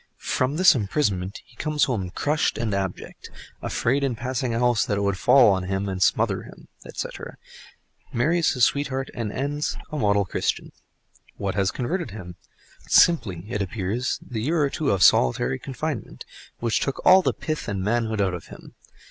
From this imprisonment he comes home crushed and abject, "afraid in passing a house that it would fall and smother him," etc., marries his sweetheart and ends a model Christian. What has converted him? Simply, it appears, the year or two of solitary confinement—which took all the pith and manhood out of him.